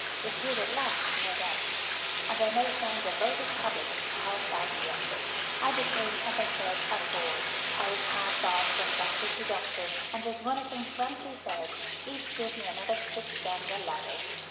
It did at last, no doubt; and I may send a votive tablet to Carlsbad yet. I became, as I said, a bore. I was passed on from doctor to doctor, and, as one of them frankly said, each gave me another kick down the ladder.